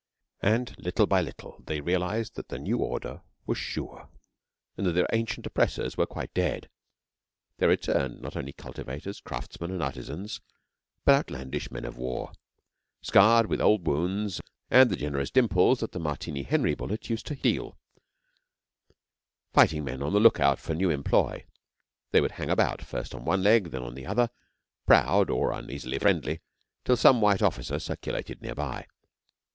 And little by little, as they realised that the new order was sure and that their ancient oppressors were quite dead, there returned not only cultivators, craftsmen, and artisans, but outlandish men of war, scarred with old wounds and the generous dimples that the Martini Henry bullet used to deal fighting men on the lookout for new employ. They would hang about, first on one leg, then on the other, proud or uneasily friendly, till some white officer circulated near by.